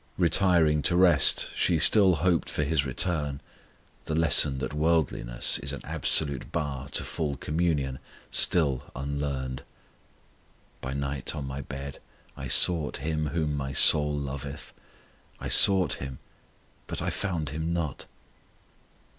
Retiring to rest she still hoped for His return the lesson that worldliness is an absolute bar to full communion still unlearned. By night on my bed I sought Him whom my soul loveth: I sought Him, but I found Him not!